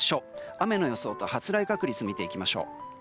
雨の予想と発雷確率を見ていきましょう。